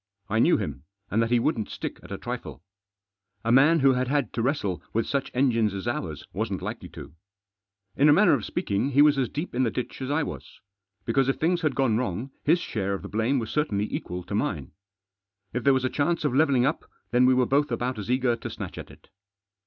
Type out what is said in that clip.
I knew him, and that he wouldn't stick at a trifle. A man who had had to wrestle with such engines as ours wasn't likely to. In a manner of speaking he was as deep in the ditch as I was ; because if things had gone wrong his share of the blame was certainly equal to mine. If Digitized by 240 THE JOSS. there was a chance of levelling up then we were both about as eager to snatch at it.